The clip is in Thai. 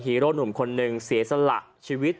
โร่หนุ่มคนหนึ่งเสียสละชีวิต